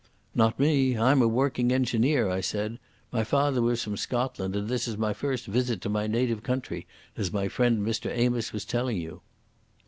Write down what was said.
"Not me. I'm a working engineer," I said. "My father was from Scotland, and this is my first visit to my native country, as my friend Mr Amos was telling you."